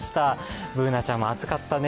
Ｂｏｏｎａちゃんも暑かったね。